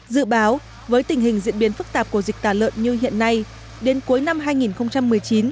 dự báo với tình hình diễn biến phức tạp của dịch tả lợn như hiện nay đến cuối năm hai nghìn một mươi chín